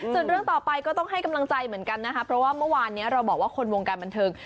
ส่วนเรื่องต่อไปก็ต้องให้กำลังใจเหมือนกันนะคะเพราะว่าเมื่อวานนี้เราบอกว่าคนวงการบันเทิง